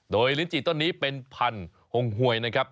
โดยลิ้นจีต้นนี้เป็นพันหงหวยนะครับ